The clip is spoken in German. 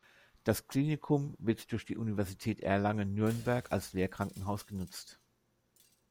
Das Klinikum wird durch die Universität Erlangen-Nürnberg als Lehrkrankenhaus genutzt.